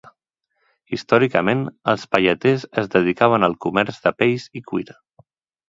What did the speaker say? Històricament els pelleters es dedicaven al comerç de pells i cuir.